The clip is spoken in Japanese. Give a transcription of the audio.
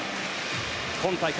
今大会